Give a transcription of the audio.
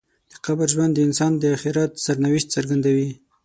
د قبر ژوند د انسان د آخرت سرنوشت څرګندوي.